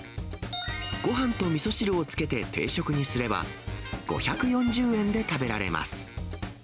ごはんとみそ汁をつけて定食にすれば、５４０円で食べられます。